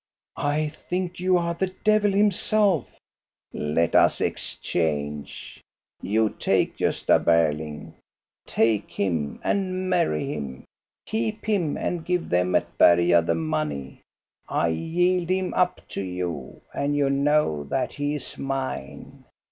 " I think you are the devil himself !" "Let us exchange. You take Gosta Berling, take him and marry him. Keep him, and give them at Berga the money. I yield him up to you, and you know that he is mine.